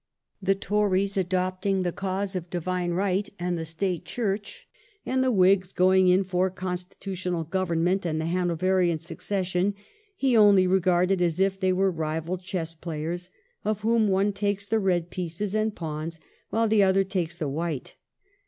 The Tories adopting the cause of divine right and the State Church, and the Whigs going in for constitutional government and the Hanoverian succession, he only regarded as if they were rival chess players, of whom one takes the red pieces and pawns, while the other takes the white.